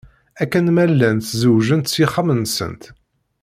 Akken ma llant zewjent s yixxamen-nsent.